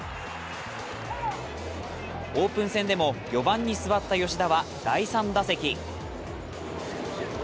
オープン戦でも４番に座った吉田は第３打席。